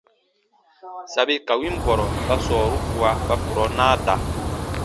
Sabi ka win bɔrɔ ba sɔɔru kua ba kurɔ naa da.